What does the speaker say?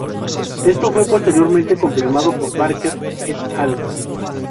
Esto fue posteriormente confirmado por Barker "et al".